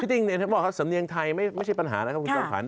พี่ติ๊งสำเนียงไทยไม่ใช่ปัญหานะครับคุณจังขวัญ